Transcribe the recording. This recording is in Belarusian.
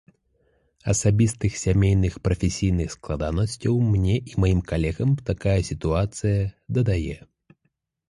Асабістых, сямейных, прафесійных складанасцяў мне і маім калегам такая сітуацыя дадае.